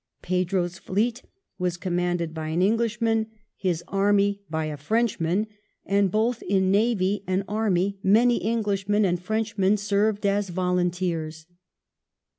Pedro's fleet was commanded by an Englishman, his army by a Frenchman ; and both in navy and army many Englishmen and Frenchmen served as " volunteei*s